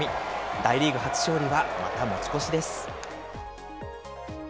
大リーグ初勝利はまた持ち越しです。